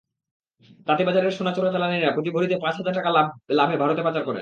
তাঁতীবাজারের সোনা চোরাচালানিরা প্রতি ভরিতে পাঁচ হাজার টাকা লাভে ভারতে পাচার করেন।